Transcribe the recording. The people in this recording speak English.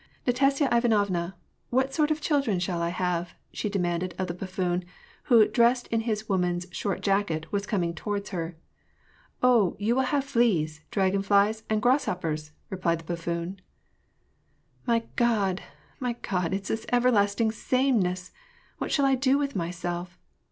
"Nastasya Ivanovna, what sort of children shall I have?" she demanded of the buffoon, who, dressed in his woman's short jacket, was coming towards her. " Oh, you will have fleas, dragon flies, and grasshoppers !" replied the buffoon. My Grod ! my God ! it's this everlasting sameness ! What shall I do with myself